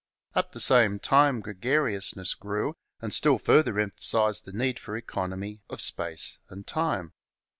At the same time gregariousness grew and still further emphasized the need for economy of space and time.